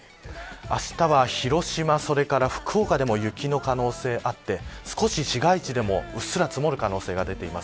あしたは広島、それから福岡でも雪の可能性があって少し市街地でも、うっすら積もる可能性が出ています。